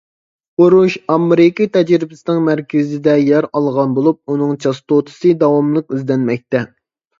ئۇرۇش ئامېرىكا تەجرىبىسىنىڭ مەركىزىدە يەر ئالغان بولۇپ، ئۇنىڭ چاستوتىسى داۋاملىق ئىزدەنمەكتە.